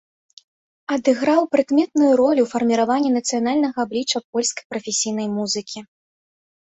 Адыграў прыкметную ролю ў фарміраванні нацыянальнага аблічча польскай прафесійнай музыкі.